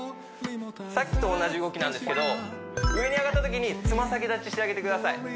さっきと同じ動きなんですけど上に上がったときにつま先立ちしてあげてください